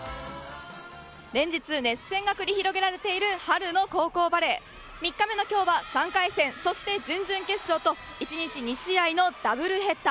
連日、熱戦が繰り広げられている春の高校バレー３日目の今日は３回戦そして準々決勝と１日２試合のダブルヘッダー。